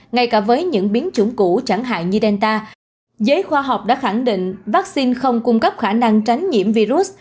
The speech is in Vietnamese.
ngay cả với những biến chủng cũ chẳng hạn như delta giới khoa học đã khẳng định vaccine không cung cấp khả năng tránh nhiễm virus